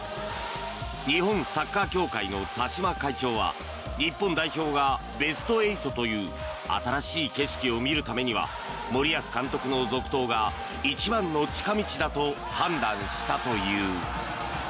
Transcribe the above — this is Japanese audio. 日本サッカー協会の田嶋会長は日本代表がベスト８という新しい景色を見るためには森保監督の続投が一番の近道だと判断したという。